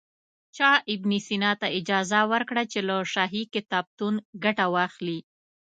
چا ابن سینا ته اجازه ورکړه چې له شاهي کتابتون ګټه واخلي.